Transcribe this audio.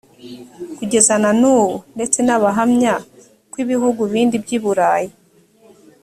kugeza na n ubu ndetse nahamya ko ibihugu bindi byi burayi